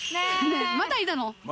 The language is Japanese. まだいたの？